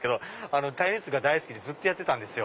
テニスが大好きでずっとやってたんですよ。